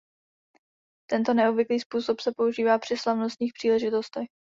Tento neobvyklý způsob se používá při slavnostních příležitostech.